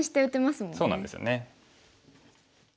そうなんですよね。